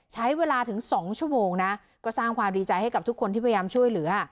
ใช้เวลาถึง๒ชั่วโมงนะก็สร้างความดีใจให้กับทุกคนที่พยายามช่วยเหลือ